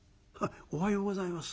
「おはようございます。